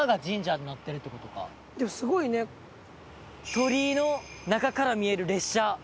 鳥居の中から見える列車。